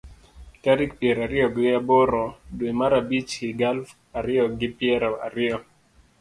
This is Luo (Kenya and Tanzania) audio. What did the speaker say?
Tarik pier ariyo gi aboro dwe mar abich higa aluf ariyo gi pier ariyo